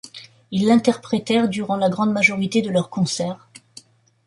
Ils l'interprétèrent durant la grande majorité de leurs concerts.